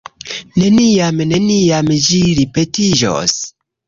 Neniam, neniam ĝi ripetiĝos!